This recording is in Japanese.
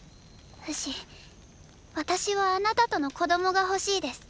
フシ私はあなたとの子供が欲しいです。